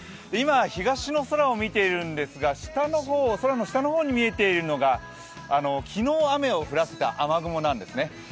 今東の空を見ているんですが空の下の方に見えているのが昨日、雨を降らせた雨雲なんですね